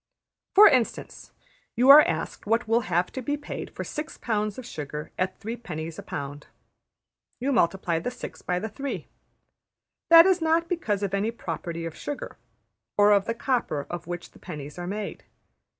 For instance, you are asked what will have to be paid for six pounds of sugar at 3d.\ a pound. You multiply the six by the three. That is not because of any property of sugar, or of the copper of which the pennies are made.